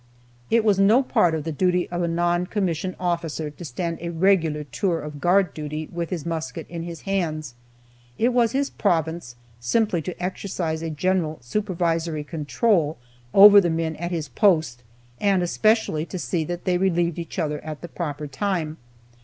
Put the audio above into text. It was no part of the duty of a non commissioned officer to stand a regular tour of guard duty, with his musket in his hands. It was his province simply to exercise a general supervisory control over the men at his post, and especially to see that they relieved each other at the proper time.